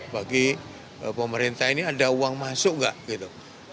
bagi pemerintah ini ada uang masuk nggak gitu